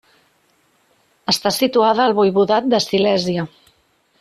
Està situada al voivodat de Silèsia.